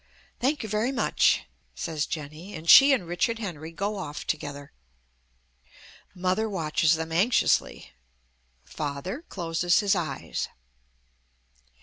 "Thank you very much," says Jenny, and she and Richard Henry go off together. Mother watches them anxiously. Father closes his eyes.